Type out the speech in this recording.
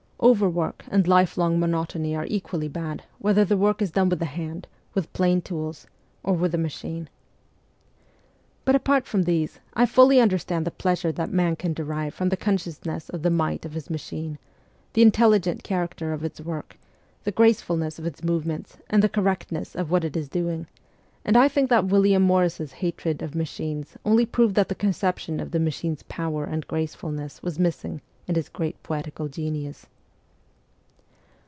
Over THE CORPS OF PAGES 139 work and lifelong monotony are equally bad whether the work is done with the hand, with plain tools, or with a machine. But, apart from these, I fully under stand the pleasure that man can derive from the con sciousness of the might of his machine, the intelligent character of its work, the gracefulness of its move ments, and the correctness of what it is doing, and I think that William Morris's hatred of machines only proved that the conception of the machine's power and gracefulness was missing in his great poetical genius.